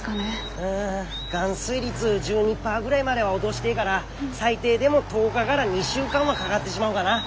うん含水率１２％ぐらいまでは落どしてえがら最低でも１０日がら２週間はかがってしまうがなあ。